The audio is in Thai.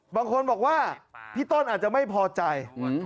บางคนบอกว่าพี่ต้นอาจจะไม่พอใจ